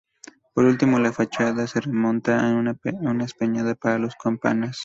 Por último, la fachada se remata con una espadaña para dos campanas.